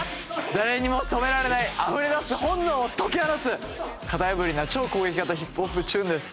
誰にも止められないあふれ出す本能を解き放つ型破りな超攻撃型ＨＩＰＨＯＰチューンです。